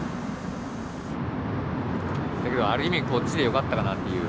だけどある意味こっちでよかったかなっていう。